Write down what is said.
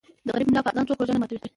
ـ د غریب ملا په اذان څوک روژه نه ماتوي.